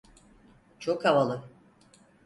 Çok havalı.